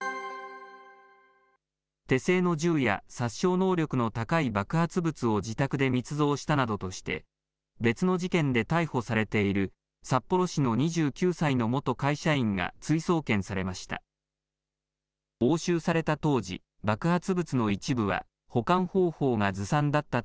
手製の銃や殺傷能力の高い爆発物を自宅で密造したなどとして、別の事件で逮捕されている札幌市の２９歳の元会社員が追送検されました。